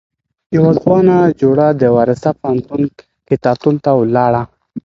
يوه ځوانه جوړه د وارسا پوهنتون کتابتون ته ولاړه.